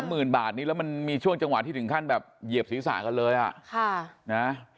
หมื่นบาทนี้แล้วมันมีช่วงจังหวะที่ถึงขั้นแบบเหยียบศีรษะกันเลยอ่ะค่ะนะ